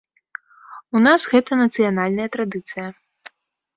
У нас гэта нацыянальная традыцыя.